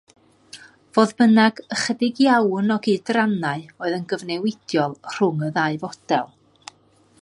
Fodd bynnag, ychydig iawn o gydrannau oedd yn gyfnewidiol rhwng y ddau fodel.